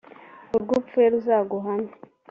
“ Urwo upfuye ruzaguhame”